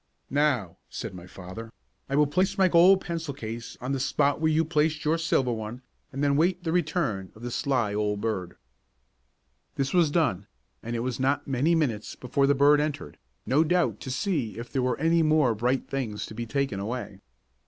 "Now," said my father, "I will place my gold pencil case on the spot where you placed your silver one, and then wait the return of the sly old bird." This was done, and it was not many minutes before the bird entered, no doubt to see if there were any more bright things to be taken away.